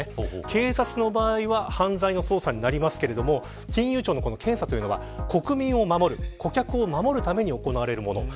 警察の場合は犯罪の捜査になりますが金融庁の検査は、国民を守る顧客を守るために行われるもの。